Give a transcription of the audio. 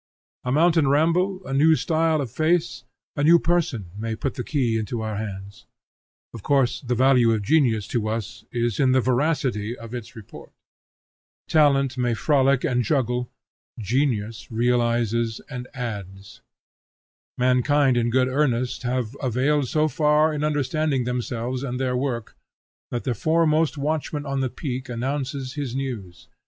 A mountain ramble, a new style of face, a new person, may put the key into our hands. Of course the value of genius to us is in the veracity of its report. Talent may frolic and juggle; genius realizes and adds. Mankind in good earnest have availed so far in understanding themselves and their work, that the foremost watchman on the peak announces his news.